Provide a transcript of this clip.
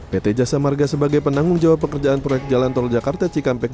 pt jasa marga sebagai penanggung jawab pekerjaan proyek jalan tol jakarta cikampek